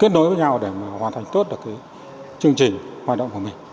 kết nối với nhau để hoàn thành tốt được chương trình hoạt động của mình